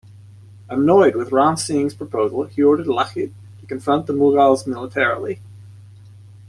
Annoyed with Ram Singh's proposal he ordered Lachit to confront the Mughals militarily.